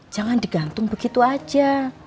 jangan digantung begitu aja